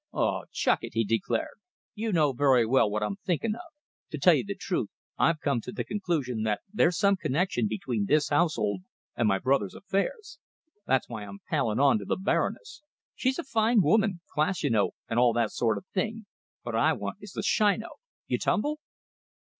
"Oh! chuck it," he declared. "You know very well what I'm thinking of. To tell you the truth, I've come to the conclusion that there's some connection between this household and my brothers affairs. That's why I'm palling on to the Baroness. She's a fine woman class, you know, and all that sort of thing, but what I want is the shino! You tumble?"